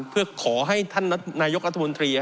เพื่อขอให้ท่านนายกรัฐมนตรี